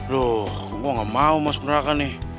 duh gue gak mau masuk neraka nih